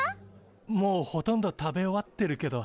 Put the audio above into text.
もうほとんど食べ終わってるけど。